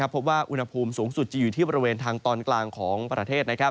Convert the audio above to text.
พบว่าอุณหภูมิสูงสุดจะอยู่ที่บริเวณทางตอนกลางของประเทศ